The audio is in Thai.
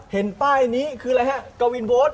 เห็นป้ายนี้คืออะไรฮะกวินโดด